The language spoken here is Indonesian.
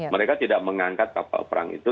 mereka tidak mengangkat kapal perang itu